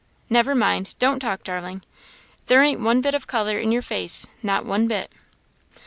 Never mind, don't talk, darling; there ain't one bit of colour in your face, not one bit."